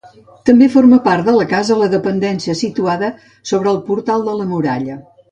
També forma part de la casa la dependència situada sobre el portal de la muralla.